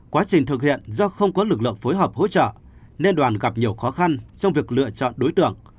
quá trình thực hiện do không có lực lượng phối hợp hỗ trợ nên đoàn gặp nhiều khó khăn trong việc lựa chọn đối tượng